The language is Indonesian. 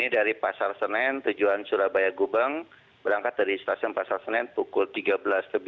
dari pasar senen tujuan lempuyangan jalan kurung tokyo jaya baru malam marraniya jakarta anjungi jabak dua puluh satu baru java melayu kabukat budapas kenya